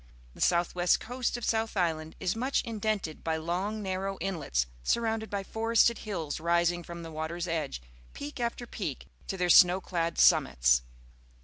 The south west coast of South Island is much indented by long, narrow inlets, surrounded by forested hills rising from the water's edge, peak after peak, to their snow clad summits.